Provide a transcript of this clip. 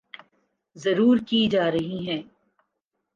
ضرور کی جارہی ہیں